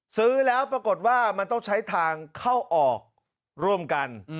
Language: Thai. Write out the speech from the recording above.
ซื้อแล้วปรากฏว่ามันต้องใช้ทางเข้าออกร่วมกัน